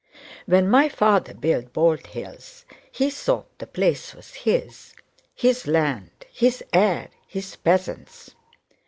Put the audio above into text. "When my father built Bald Hills he thought the place was his: his land, his air, his peasants.